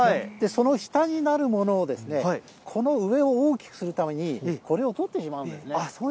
その下になるものをですね、この上を大きくするために、これを取ってしまうんですね。